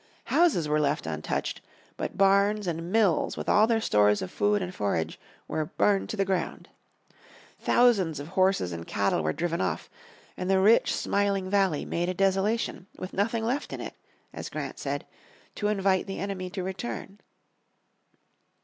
Houses were left untouched, but barns and mills with all their stores of food and forage were burned to the ground. Thousands of horses and cattle were driven off, and the rich and smiling valley made a desolation, with nothing left in it, as Grant said, to invite the enemy to return.